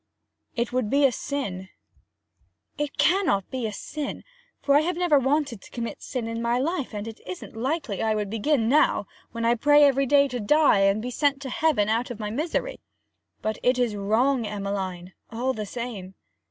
'It would be sin.' 'It cannot be sin, for I have never wanted to commit sin in my life; and it isn't likely I would begin now, when I pray every day to die and be sent to Heaven out of my misery!' 'But it is wrong, Emmeline, all the same.'